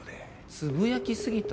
つぶやきすぎた？